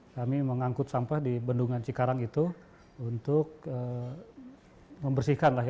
kami mengangkut sampah di bendungan cikarang itu untuk membersihkan lah